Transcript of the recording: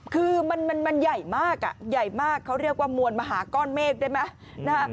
คือมันใหญ่มากอ่ะใหญ่มากเขาเรียกว่ามวลมหาก้อนเมฆได้ไหม